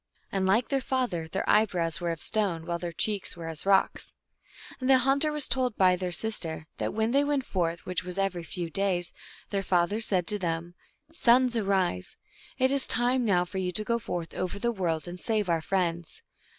And, like their father, their eyebrows were of stone, while their cheeks were as rocks. And the hunter was told by their sister that when they went forth, which was every few days, their father said to them, " Sons, arise ! it is time now for you to go forth over the world and save our friends.